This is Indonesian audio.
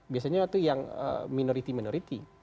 biasanya itu yang minoriti minoriti